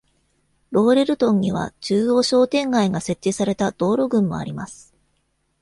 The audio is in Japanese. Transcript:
ローレルトンには、中央商店街が設置された道路群もあります。